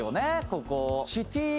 ここ。